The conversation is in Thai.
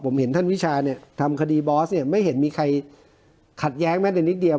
ผมเห็นท่านวิชาเนี่ยทำคดีบอสเนี่ยไม่เห็นมีใครขัดแย้งแม้แต่นิดเดียว